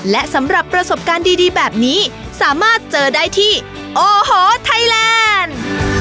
และสำหรับประสบการณ์ดีแบบนี้สามารถเจอได้ที่โอ้โหไทยแลนด์